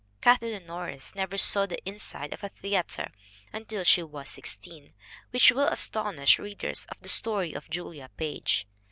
Kathleen Norris never saw the inside of a theater until she was sixteen, which will astonish readers of The Story of Julia Page.